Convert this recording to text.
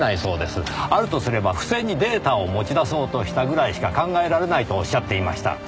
あるとすれば不正にデータを持ち出そうとしたぐらいしか考えられないとおっしゃっていました。